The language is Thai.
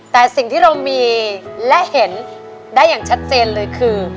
แต่สิ่งที่เรามีและเห็นได้อย่างชัดเจนเลยคือ